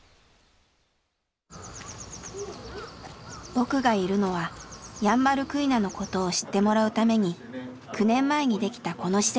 僕がいるのはヤンバルクイナのことを知ってもらうために９年前にできたこの施設。